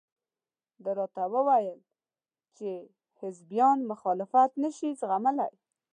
ده راته وویل چې حزبیان مخالفت نشي زغملى.